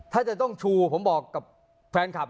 ถ้าจะต้องชูผมบอกกับแฟนคลับ